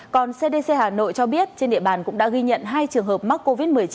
còn cdc hà nội cho biết trên địa bàn cũng đã ghi nhận hai trường hợp mắc covid một mươi chín